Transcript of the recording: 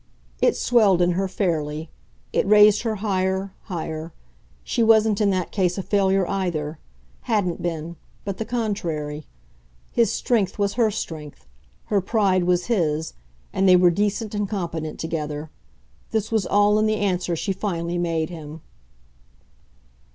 It swelled in her, fairly; it raised her higher, higher: she wasn't in that case a failure either hadn't been, but the contrary; his strength was her strength, her pride was his, and they were decent and competent together. This was all in the answer she finally made him.